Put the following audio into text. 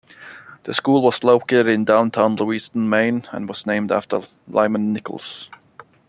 The school was located in downtown Lewiston, Maine, and was named after Lyman Nichols.